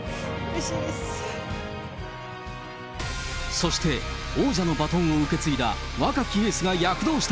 そして、王者のバトンを受け継いだ若きエースが躍動した。